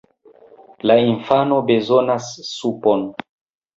La infano bezonas supon!